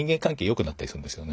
よくなったりするんですよね。